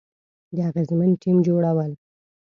د اغیزمن ټیم جوړول،